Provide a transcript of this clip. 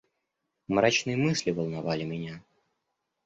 Мрачные мысли волновали меня.